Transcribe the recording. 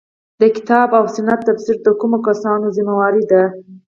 د کتاب او سنت تفسیر د کومو کسانو ذمه واري ده.